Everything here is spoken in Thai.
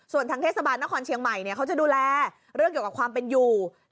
ส่วนทางเทศบาลนครเชียงใหม่เขาจะดูแลเรื่องเกี่ยวกับความเป็นอยู่